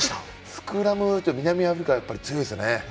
スクラム、南アフリカは強いですね。